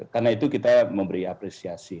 karena itu kita memberi apresiasi